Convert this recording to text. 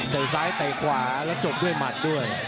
ซ้ายเตะขวาแล้วจบด้วยหมัดด้วย